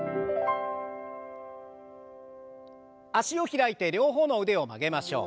脚を開いて両方の腕を曲げましょう。